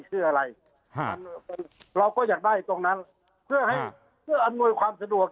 คืออะไรเราก็อยากได้ตรงนั้นเพื่ออำนวยความสะดวก